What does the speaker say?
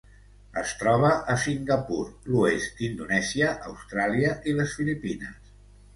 Es troba a Singapur, l'oest d'Indonèsia, Austràlia i les Filipines.